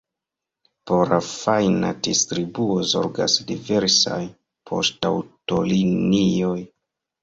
Por la fajna distribuo zorgas diversaj poŝtaŭtolinioj.